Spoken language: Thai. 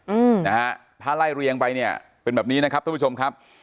อืมนะฮะถ้าไล่เรียงไปเนี่ยเป็นแบบนี้นะครับท่านผู้ชมครับ